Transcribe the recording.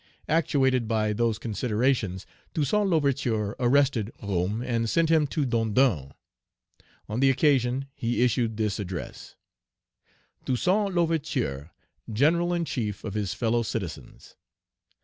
Actuated by those considerations, Toussaint L'Ouverture arrested Roume, and sent him to Dondon. On the occasion, he issued this address: "Toussaint L'Ouverture, General in chief of his fellow citizens.